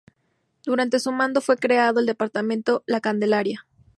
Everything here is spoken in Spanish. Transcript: Durante su mandato fue creado el Departamento La Candelaria.